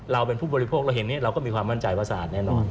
เราเป็นผู้บริโภคเราเห็นนี้เราก็มีความมั่นใจว่าสะอาดแน่นอน